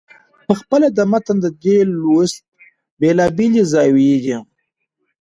پخپله د متن د دې لوست بېلابېلې زاويې دي.